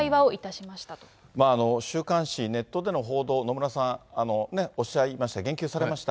週刊誌、ネットでの報道、野村さん、おっしゃいました、言及されました。